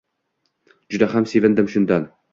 Juda ham sevindim shundan